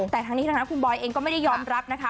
แต่ทางนี้ทั้งนั้นคุณบอยเองก็ไม่ได้ยอมรับนะคะ